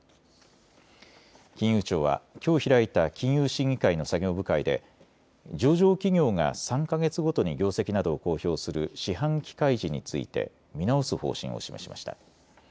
金融庁はきょう開いた金融審議会の作業部会で上場企業が３か月ごとに業績などを公表する四半期開示について見直す方針を示しました。